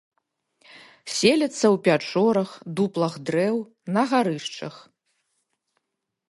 Селяцца ў пячорах, дуплах дрэў, на гарышчах.